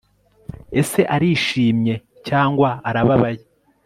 ese arishimye cyangwa arababaye